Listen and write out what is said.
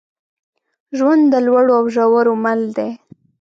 ژوند د لوړو او ژورو مل دی.